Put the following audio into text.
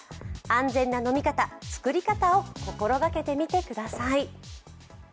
安全な飲み方、作り方を心掛けてみてください。